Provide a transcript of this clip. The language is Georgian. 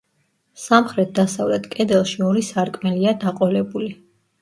სამხრეთ-დასავლეთ კედელში ორი სარკმელია დაყოლებული.